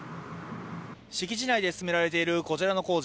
敷地内で進められているこちらの工事。